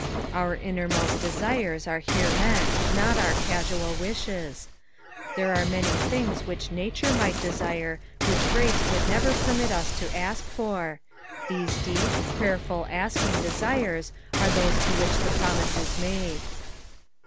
Our innermust desires are here meant, not our cnsuni wislies ; there are many things which nature might desire which grace would never permit us to ask for ; these deep, prayerful, atting desires are those to which the promise is mode.